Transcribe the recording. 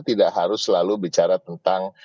tidak harus selalu bicara tentang